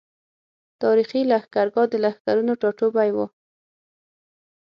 تاريخي لښکرګاه د لښکرونو ټاټوبی وو۔